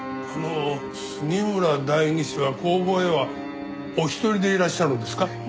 その杉村代議士は工房へはお一人でいらっしゃるんですか？